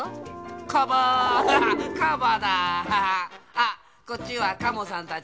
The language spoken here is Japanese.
あっこっちはカモさんたちだ。